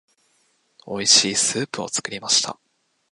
美味しいスープを作りました。